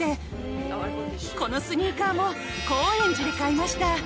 このスニーカーも高円寺で買いました。